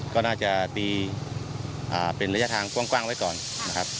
ก็น่าจะตีเป็นระยะทางกว้างไว้ก่อนนะครับ